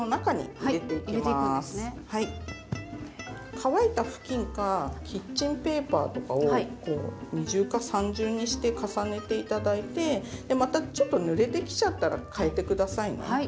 乾いた布巾かキッチンペーパーとかを二重か三重にして重ねて頂いてでまたちょっとぬれてきちゃったらかえて下さいね。